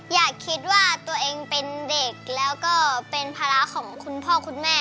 อย่าคิดว่าตัวเองเป็นเด็กแล้วก็เป็นภาระของคุณพ่อคุณแม่